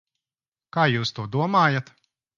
Kā jūs to domājat?